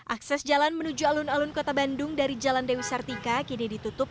akses jalan menuju alun alun kota bandung dari jalan dewi sartika kini ditutup